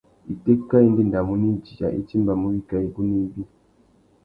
Itéka i ndéndamú à idiya, i timbamú wikā igunú ibi.